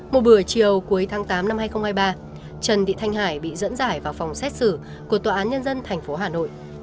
một buổi chiều cuối tháng tám năm hai nghìn hai mươi ba trần thị thanh hải bị dẫn giải vào phòng xét xử của tòa án nhân dân tp hà nội